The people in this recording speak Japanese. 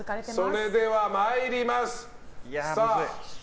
それでは参ります。